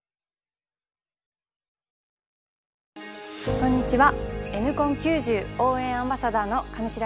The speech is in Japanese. こんにちは。